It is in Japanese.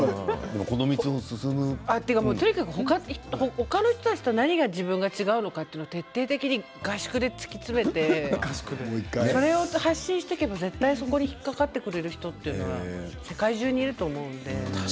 他の人たちと何が違うかということ合宿で突き詰めてそれを発信していけばそこに引っ掛かってくれる人というのは世界中にいると思うので。